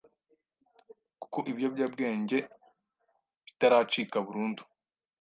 kuko ibiyobyabwenge bitaracika burundu,